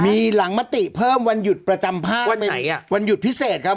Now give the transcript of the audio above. มีหลังมติเพิ่มวันหยุดประจำภาควันหยุดพิเศษครับ